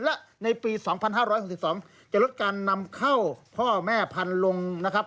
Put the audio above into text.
และในปี๒๕๖๒จะลดการนำเข้าพ่อแม่พันธุ์ลงนะครับ